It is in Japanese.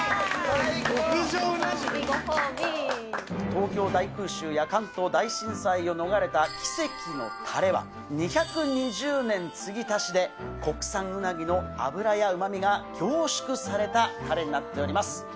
東京大空襲や関東大震災を逃れた奇跡のたれは、２２０年継ぎ足しで、国産うなぎの脂やうまみが凝縮されたたれになっております。